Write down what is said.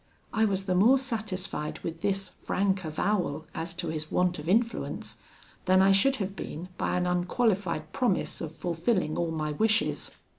I was the more satisfied with this frank avowal as to his want of influence, than I should have been by an unqualified promise of fulfilling all my wishes.